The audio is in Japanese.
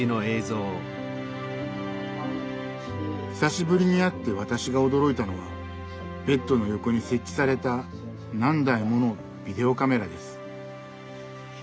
久しぶりに会って私が驚いたのはベッドの横に設置された何台ものビデオカメラです。